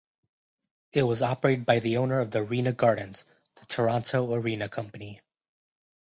It was operated by the owner of the Arena Gardens, the Toronto Arena Company.